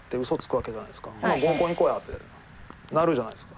「ほな合コン行こうや」ってなるじゃないですか。